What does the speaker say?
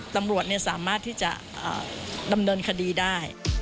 ตำรวจสามารถที่จะดำเนินคดีได้